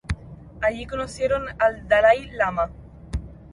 Allí conocieron al Dalái Lama.